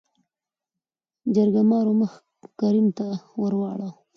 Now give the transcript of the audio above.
جرګمارو مخ کريم ته ورواړو .